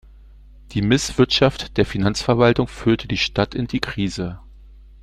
Die Misswirtschaft der Finanzverwaltung führte die Stadt in die Krise.